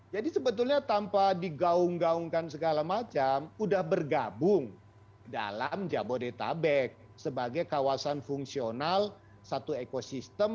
jadi sebetulnya tanpa digaung gaungkan segala macam sudah bergabung dalam jabodetabek sebagai kawasan fungsional satu ekosistem